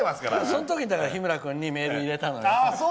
その時に、日村君にメールを入れたのよ。